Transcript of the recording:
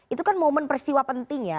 itu kan momen peristiwa penting ya